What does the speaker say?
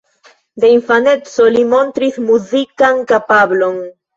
De infaneco li montris muzikan kapablon.